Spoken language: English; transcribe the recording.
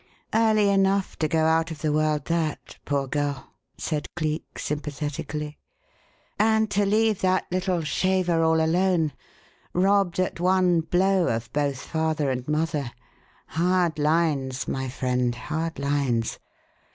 "Early enough to go out of the world, that poor girl!" said Cleek, sympathetically. "And to leave that little shaver all alone robbed at one blow of both father and mother. Hard lines, my friend, hard lines!